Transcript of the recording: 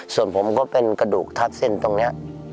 ส่วนผมก็เป็นกระดูกทับเส้นตรงนี้